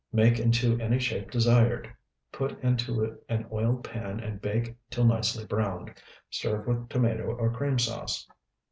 Make into any shape desired. Put into an oiled pan and bake till nicely browned. Serve with tomato or cream sauce.